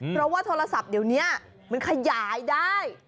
เพราะว่าโทรศัพท์เดี๋ยวนี้มันขยายได้